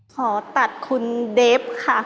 ขอตัดคุณเดฟค่ะ